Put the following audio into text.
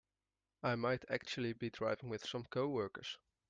I might actually be driving with some coworkers.